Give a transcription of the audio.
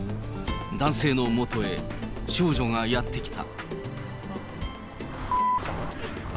男性の元へ、少女がやって来た。